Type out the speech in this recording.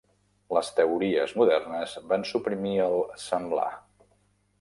Les teories modernes van suprimir el "semblar".